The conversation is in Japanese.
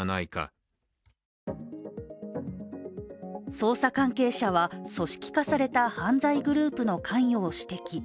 捜査関係者は組織化された犯罪グループの関与を指摘。